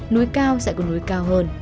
núi cao sẽ có núi cao hơn